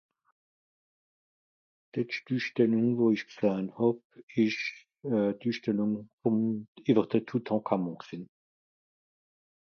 d'letscht üssstellùng wo isch gsahn hàb esch euh d'üssstellùng ùm ìwer de Toutânkhamon g'seh